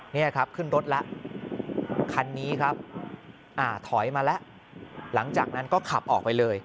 นี่ครับขึ้นรถแล้วคันนี้ครับอ่าถอยมาแล้วหลังจากนั้นก็ขับออกไปเลย